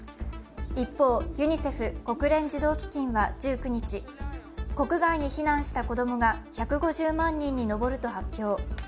一方、ユニセフ＝国連児童基金は１９日、国外に避難した子供が１５０万人に上ると発表。